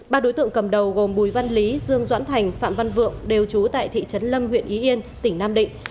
ba đối tượng cầm đầu gồm bùi văn lý dương doãn thành phạm văn vượng đều trú tại thị trấn lâm huyện ý yên tỉnh nam định